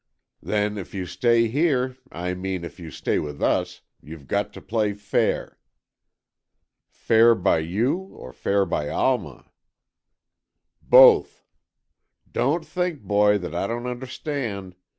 "Then, if you stay here, I mean, if you stay with us, you've got to play fair." "Fair by you or fair by Alma?" "Both. Don't think, boy, that I don't understand.